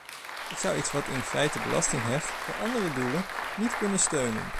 Ik zou iets wat in feite belastingen heft voor andere doelen, niet kunnen steunen.